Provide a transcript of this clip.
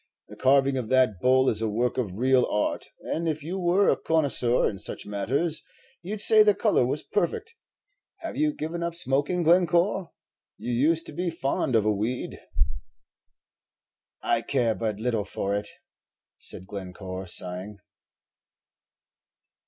The carving of that bull is a work of real art; and if you were a connoisseur in such matters, you 'd say the color was perfect. Have you given up smoking, Glencore? you used to be fond of a weed." "I care but little for it," said Glencore, sighing.